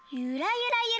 ゆらゆら。